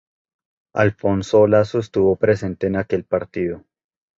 Alfonso Olaso estuvo presente en aquel partido.